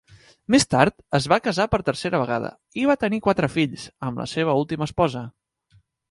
Més tard, es va casar per tercera vegada i va tenir quatre fills amb la seva última esposa.